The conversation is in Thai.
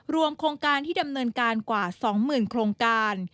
โครงการที่ดำเนินการกว่า๒๐๐๐โครงการ